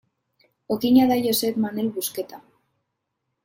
Okina da Josep Manel Busqueta.